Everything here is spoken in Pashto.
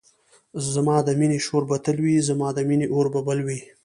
زما د مینی شور به تل وی زما د مینی اور به بل وی